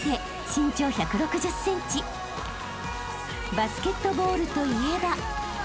［バスケットボールといえば］